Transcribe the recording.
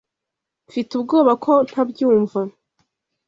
Mfite ubwoba ko ntabyumva.